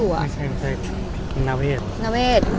ภาษาสนิทยาลัยสุดท้าย